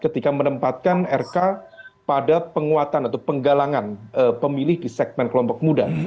ketika menempatkan rk pada penguatan atau penggalangan pemilih di segmen kelompok muda